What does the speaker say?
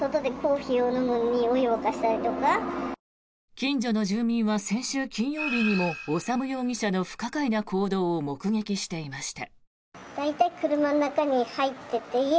近所の住民は先週金曜日にも修容疑者の不可解な行動を目撃していました。